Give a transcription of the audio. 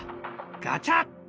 ガチャ！